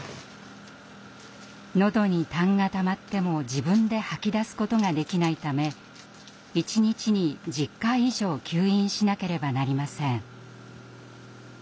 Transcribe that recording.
のどに痰がたまっても自分で吐き出すことができないため一日に１０回以上吸引しなければなりません。